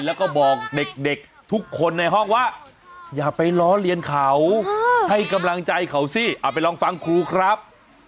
แล้วก็บอกเด็กทุกคนในห้องว่าอย่าไปล้อเลียนเขาให้กำลังใจเขาสิเอาไปลองฟังครูครับ